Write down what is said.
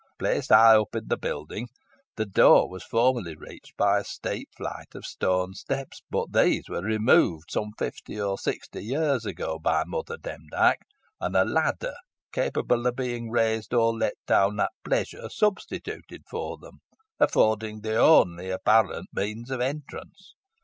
Placed high up in the building the door was formerly reached by a steep flight of stone steps, but these were removed some fifty or sixty years ago by Mother Demdike, and a ladder capable of being raised or let down at pleasure substituted for them, affording the only apparent means of entrance.